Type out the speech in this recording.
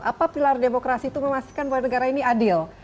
apa pilar demokrasi itu memastikan bahwa negara ini adil